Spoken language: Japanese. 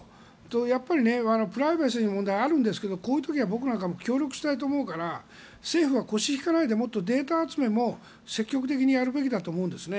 やっぱり、プライバシーの問題はあるんですけどこういう時は僕なんかも協力したいと思うから政府は腰を引かないでもっとデータ集めも積極的にやるべきだと思うんですね。